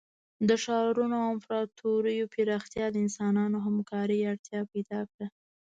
د ښارونو او امپراتوریو پراختیا د انسانانو همکارۍ اړتیا پیدا کړه.